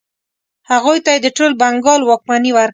هغوی ته یې د ټول بنګال واکمني ورکړه.